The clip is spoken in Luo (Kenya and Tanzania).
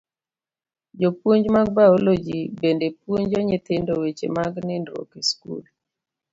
Jopuonj mag biology bende puonjo nyithindo weche mag nindruok e skul.